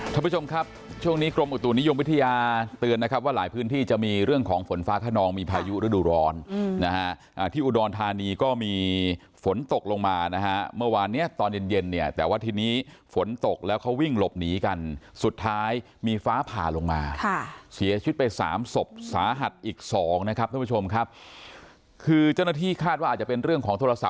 ท่านผู้ชมครับช่วงนี้กรมอุตุนิยมวิทยาเตือนนะครับว่าหลายพื้นที่จะมีเรื่องของฝนฟ้าขนองมีพายุฤดูร้อนนะฮะที่อุดรธานีก็มีฝนตกลงมานะฮะเมื่อวานเนี้ยตอนเย็นเย็นเนี่ยแต่ว่าทีนี้ฝนตกแล้วเขาวิ่งหลบหนีกันสุดท้ายมีฟ้าผ่าลงมาค่ะเสียชีวิตไปสามศพสาหัสอีกสองนะครับท่านผู้ชมครับคือเจ้าหน้าที่คาดว่าอาจจะเป็นเรื่องของทรศ